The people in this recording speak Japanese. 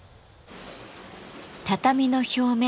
畳の表面